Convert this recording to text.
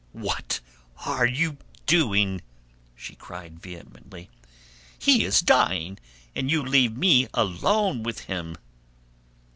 "What are you doing!" she cried vehemently. "He is dying and you leave me alone with him!"